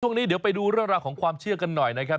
ช่วงนี้เดี๋ยวไปดูเรื่องราวของความเชื่อกันหน่อยนะครับ